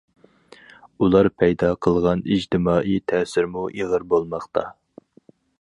ئۇلار پەيدا قىلغان ئىجتىمائىي تەسىرمۇ ئېغىر بولماقتا.